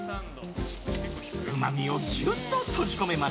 うまみをギュッと閉じ込めます。